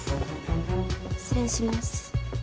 失礼します。